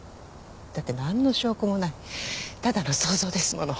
だってなんの証拠もないただの想像ですもの。